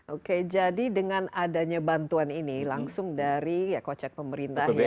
oke jadi dengan adanya bantuan ini langsung dari kocek pemerintah ya